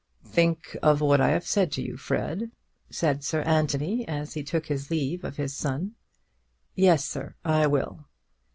"Think of what I have said to you, Fred," said Sir Anthony, as he took his leave of his son. "Yes, sir, I will."